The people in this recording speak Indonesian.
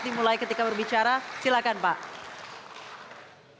dimulai ketika berbicara silakan pak